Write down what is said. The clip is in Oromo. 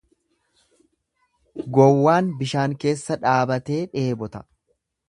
Gowwaan bishaan keessa dhaabbatee dheebota.